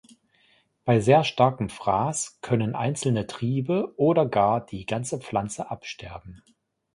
Bei sehr starkem Fraß können einzelne Triebe oder gar die ganze Pflanze absterben.